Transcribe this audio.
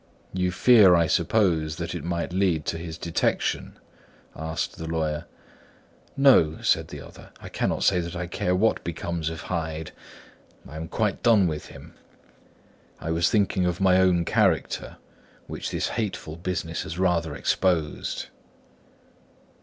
"You fear, I suppose, that it might lead to his detection?" asked the lawyer. "No," said the other. "I cannot say that I care what becomes of Hyde; I am quite done with him. I was thinking of my own character, which this hateful business has rather exposed."